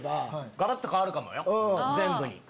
がらっと変わるかもよ全部に。